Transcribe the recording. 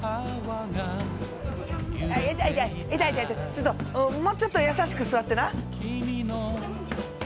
ちょっともうちょっと優しく座ってな。